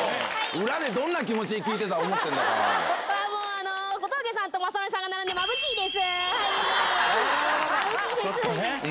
裏でどんな気持ちで聞いてたもう、小峠さんと雅紀さんが並んで、まぶしいです。